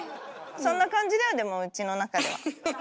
そんな感じだよでもうちの中ではみんな。